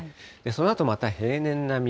そのあと、また平年並み。